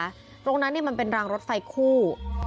ตรงนั้นมันเป็นรางรถไฟคู่